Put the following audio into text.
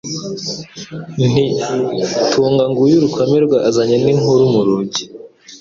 Nti: Tunga nguyu Rukomerwa azanye n'inkura mu rugi,